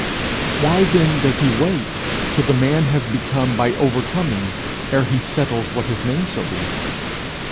Why then does he wait till the man has become by overcoming ere he settles what his name shall be?